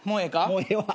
もうええわ。